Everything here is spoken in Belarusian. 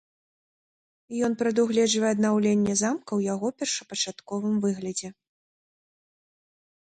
Ён прадугледжвае аднаўленне замка ў яго першапачатковым выглядзе.